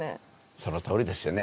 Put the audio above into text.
そのとおりですよね。